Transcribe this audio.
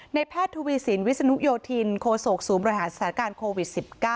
แพทย์ทวีสินวิศนุโยธินโคศกศูนย์บริหารสถานการณ์โควิด๑๙